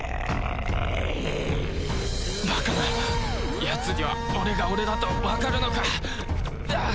バカなやつには俺が俺だとわかるのか！